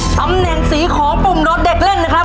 ตำแหน่งสีของปุ่มรถเด็กเล่นนะครับ